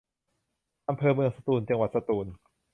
อำเภอเมืองสตูล จังหวัดสตูล